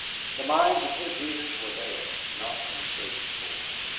The minds of his readers were there, not in Sabinsport.